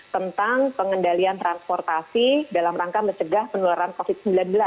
tentang pengendalian transportasi dalam rangka mencegah penularan covid sembilan belas